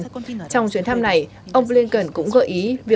trong chuyến thăm này ông blinken cũng gợi ý cho các nhà lập pháp bỏ phiếu